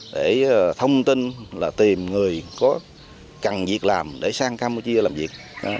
để thông tin là tìm người có cần việc làm để sang campuchia làm việc